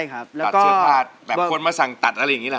แตกคนมาสั่งตัดอะไรอย่างนี้ล่ะ